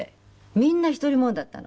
みんな独り者だったの。